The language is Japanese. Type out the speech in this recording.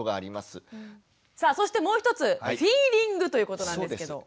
さあそしてもう一つフィーリングということなんですけど。